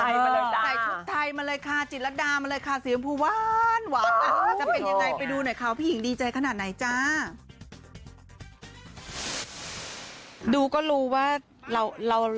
ใส่ชุดไทยมาเลยค่ะจิตรดามาเลยค่ะสีแม่งภูวานหวาน